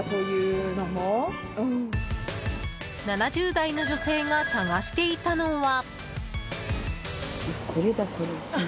７０代の女性が探していたのは。